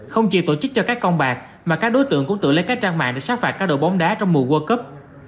không chỉ tổ chức cho các con bạc mà các đối tượng cũng tự lấy các trang mạng để sát phạt các đội bóng đá trong mùa world cup